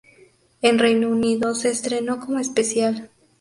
En Reino Unido se estrenó como especial.